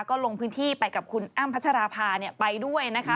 ก็ลงพื้นที่ไปกับคุณอ้ำพัชราภาไปด้วยนะคะ